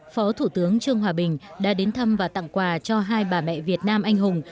phó thủ tướng trương hòa bình đã đến thăm và tặng quà cho hai bà mẹ việt nam anh hùng